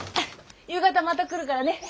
夕方また来るからね！